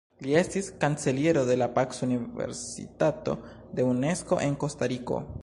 Li estis kanceliero de la "Pac-Universitato" de Unesko en Kostariko.